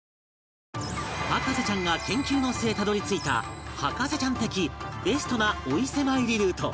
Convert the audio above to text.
博士ちゃんが研究の末たどり着いた博士ちゃん的ベストなお伊勢参りルート